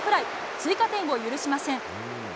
追加点を許しません。